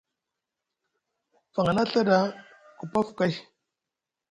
Faŋ a na Ɵa ɗa, ku pa afu kay.